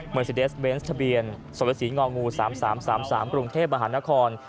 เมอร์ซีเดสเบนส์ทะเบียนสวัสดีศรีงง๓๓๓๓บรุงเทพฯมหานคร